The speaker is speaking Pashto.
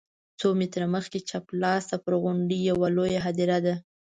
څو متره مخکې چپ لاس ته پر غونډۍ یوه لویه هدیره ده.